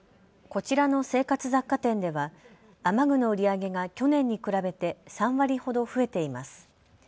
こちらの生活雑貨店では雨具の売り上げが去年に比べて３割ほど増えています。